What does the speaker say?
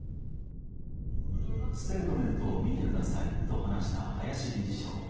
ステートメントを見てくださいと話した林理事長。